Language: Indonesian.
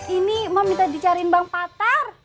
ini mau minta dicariin bank patar